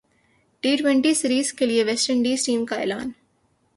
T twenty series کیلئے West Indian team کااعلان